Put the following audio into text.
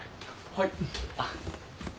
はい！